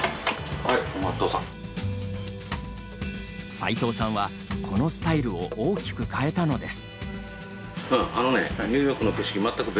さいとうさんはこのスタイルを大きく変えたのです。